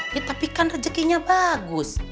ya tapi kan rezekinya bagus